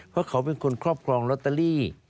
เพราะเขาเป็นคนครอบครองลอตเตอรี่